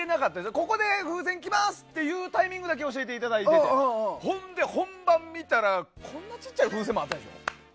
ここで風船きますというタイミングだけ教えてもらっててほんで、本番見たらこんな小さい風船もあったんですよ。